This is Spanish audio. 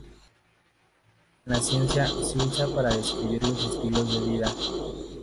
En la ciencia, se usa para describir los estilos de vida.